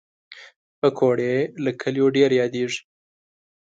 پکورې له کلیو ډېر یادېږي